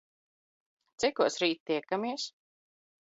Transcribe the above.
Cikos r?t tiekamies?